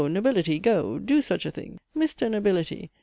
Nobility, go do such a thing! Mr. Nobility!